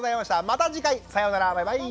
また次回さようならバイバーイ。